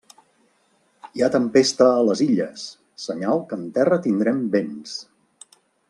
Hi ha tempesta a les Illes, senyal que en terra tindrem vents.